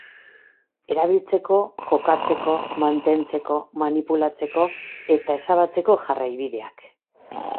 Erabiltzeko, kokatzeko, mantentzeko, manipulatzeko eta ezabatzeko jarraibideak.